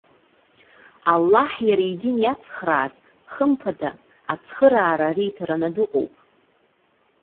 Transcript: Аллаҳ иара идин иацхрааз, хымԥада, ацхыраара риҭараны дыҟоуп.